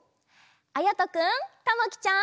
あやとくんたまきちゃん。